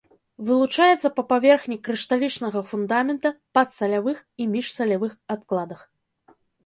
Вылучаецца па паверхні крышталічнага фундамента, падсалявых і міжсалявых адкладах.